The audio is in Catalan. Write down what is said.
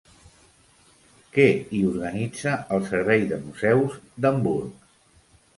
Què hi organitza el servei de museus d'Hamburg?